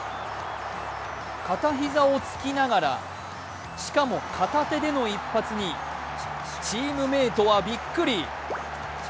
片膝をつきながら、しかも片手での一発にチームメイトはびっくり。